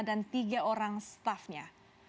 dan tiga orang stafnya